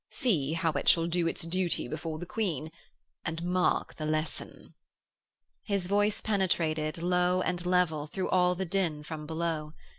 See how it shall do its duty before the Queen, and mark the lesson.' His voice penetrated, low and level, through all the din from below.